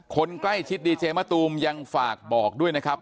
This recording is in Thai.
คนใกล้ชิดดีเจมะตูมยังฝากบอกด้วยนะครับ